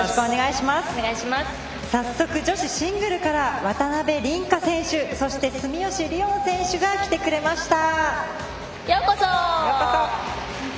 早速、女子シングルから渡辺倫果選手、そして住吉りをん選手が来てくれました。